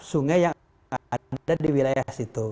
sungai yang ada di wilayah situ